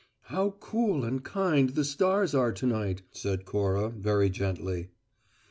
"How cool and kind the stars are to night," said Cora, very gently.